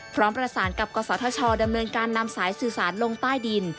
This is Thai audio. พร้อมประสานกับกศธชดำเนินการนำสายสื่อสารลงใต้ดิน